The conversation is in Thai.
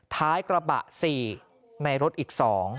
ท้ายกระบะ๔ในรถอีก๒